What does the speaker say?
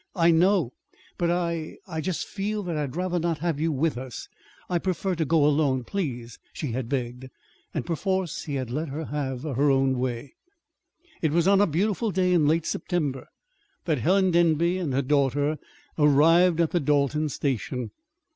"I know; but I I just feel that I'd rather not have you with us. I prefer to go alone, please," she had begged. And perforce he had let her have her own way. It was on a beautiful day in late September that Helen Denby and her daughter arrived at the Dalton station.